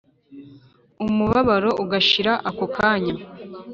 Umubabaro ugashira ako kanya